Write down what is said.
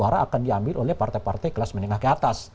karena akan diambil oleh partai partai kelas menengah ke atas